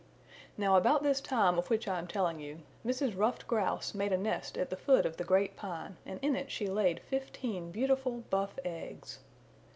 Now about this time of which I am telling you Mrs. Ruffed Grouse made a nest at the foot of the Great Pine and in it she laid fifteen beautiful buff eggs.